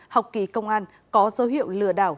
học kỳ công an có dấu hiệu lừa đảo